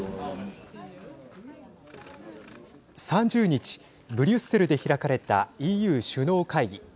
３０日、ブリュッセルで開かれたＥＵ首脳会議。